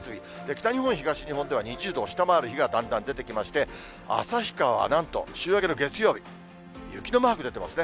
北日本、東日本では２０度を下回る日がだんだん出てきまして、旭川はなんと週明けの月曜日、雪のマーク出てますね。